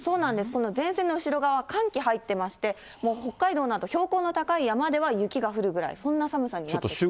この前線の後ろ側、寒気入ってまして、もう北海道など、標高の高い山では雪が降るぐらい、そんな寒さになってくる。